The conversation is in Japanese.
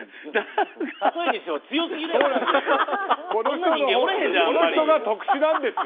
例えにしても強すぎですよ。